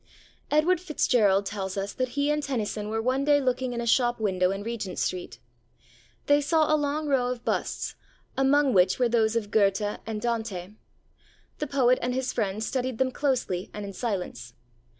Edward FitzGerald tells us that he and Tennyson were one day looking in a shop window in Regent Street. They saw a long row of busts, among which were those of Goethe and Dante. The poet and his friend studied them closely and in silence.